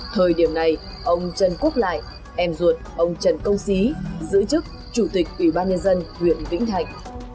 thời điểm này ông trần quốc lại em ruột ông trần công xí giữ chức chủ tịch ủy ban nhân dân huyện vĩnh thạnh